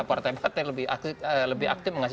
partai partai lebih aktif mengasih tau mereka